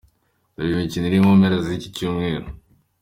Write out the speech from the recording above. Dore imikino iri mu mpera z’iki Cyumweru:.